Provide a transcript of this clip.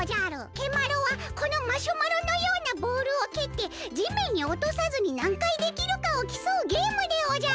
蹴マロはこのマシュマロのようなボールをけってじめんにおとさずになんかいできるかをきそうゲームでおじゃる！